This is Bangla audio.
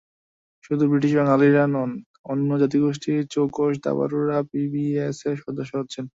শুধু ব্রিটিশ বাঙালিরা নন, অন্যান্য জাতিগোষ্ঠীর চৌকস দাবাড়ুরাও বিবিসিএর সদস্য হচ্ছেন।